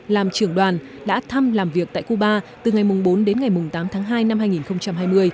làm trưởng đoàn đã thăm làm việc tại cuba từ ngày bốn đến ngày tám tháng hai năm hai nghìn hai mươi